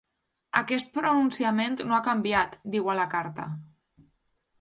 Aquest pronunciament no ha canviat, diu a la carta.